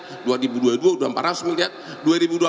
dua ribu dua puluh dua sudah empat ratus miliar